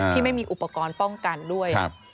ที่ไม่มีอุปกรณ์ป้องกันด้วย